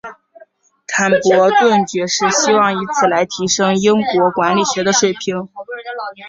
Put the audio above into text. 坦伯顿爵士希望以此来提升英国管理学的水平。